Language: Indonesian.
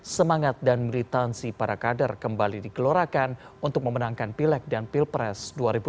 semangat dan militansi para kader kembali digelorakan untuk memenangkan pilek dan pilpres dua ribu dua puluh